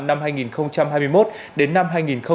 năm hai nghìn hai mươi một đến năm hai nghìn hai mươi năm